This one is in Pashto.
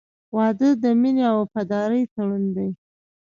• واده د مینې او وفادارۍ تړون دی.